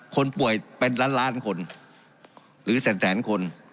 คนป่วยเป็นล้านล้านคนหรือแสนคน